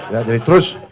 ya jadi terus